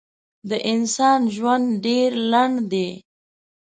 د انسان ژوند ډېر لنډ دی.